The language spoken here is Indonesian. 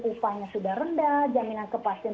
upahnya sudah rendah jaminan kepastian